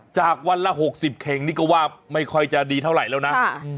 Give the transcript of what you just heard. จากวันละ๖๐เข่งนี่ก็ว่าไม่ค่อยจะดีเท่าไหร่แล้วนะ